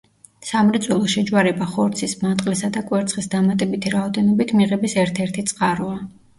სამრეწველო შეჯვარება ხორცის, მატყლისა და კვერცხის დამატებითი რაოდენობით მიღების ერთ-ერთი წყაროა.